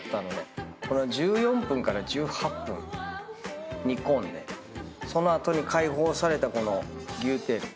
１４分から１８分煮込んでその後に解放されたこの牛テール。